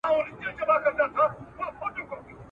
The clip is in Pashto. آیا موږ کولای سو د مطالعې فرهنګ نور هم غني کړو؟